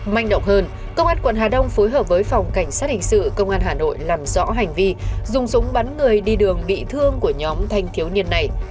manh động hơn công an quận hà đông phối hợp với phòng cảnh sát hình sự công an hà nội làm rõ hành vi dùng súng bắn người đi đường bị thương của nhóm thanh thiếu niên này